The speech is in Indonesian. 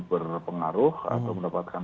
berpengaruh atau mendapatkan